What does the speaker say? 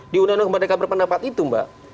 di undang undang keberdayaan perpendapat itu mbak